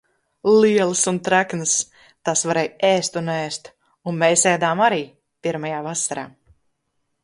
Lielas un treknas! Tās varēja ēst un ēst. Un mēs ēdām arī. Pirmajā vasarā.